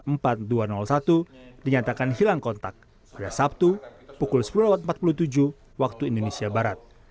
menyatakan hilang kontak pada sabtu pukul sepuluh empat puluh tujuh waktu indonesia barat